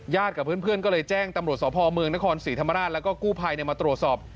กับเพื่อนก็เลยแจ้งตำรวจสพเมืองนครศรีธรรมราชแล้วก็กู้ภัยมาตรวจสอบ